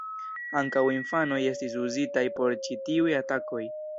Ankaŭ infanoj estis uzitaj por ĉi tiuj atakoj.